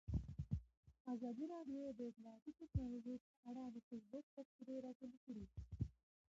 ازادي راډیو د اطلاعاتی تکنالوژي په اړه د فیسبوک تبصرې راټولې کړي.